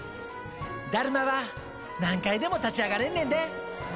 だるまは何回でも立ち上がれんねんで。